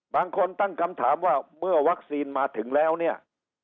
บางคนตั้งคำถามว่าเมื่อวัคซีนมาถึงแล้วเนี่ย